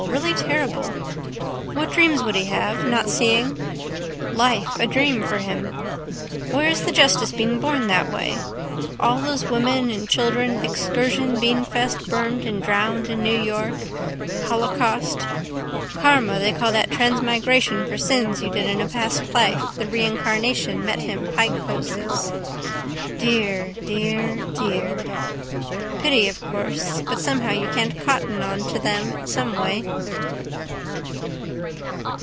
Really terrible. What dreams would he have, not seeing? Life a dream for him. Where is the justice being born that way? All those women and children excursion beanfeast burned and drowned in New York. Holocaust. Karma they call that transmigration for sins you did in a past life the reincarnation met him pike hoses. Dear, dear, dear. Pity, of course: but somehow you can't cotton on to them someway.